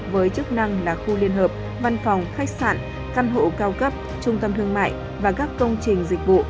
với chức năng là khu liên hợp văn phòng khách sạn căn hộ cao cấp trung tâm thương mại và các công trình dịch vụ